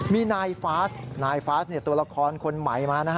มีนายฟาสนายฟาสตัวละครคนใหม่มานะฮะ